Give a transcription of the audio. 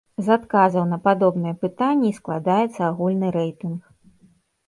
З адказаў на падобныя пытанні і складаецца агульны рэйтынг.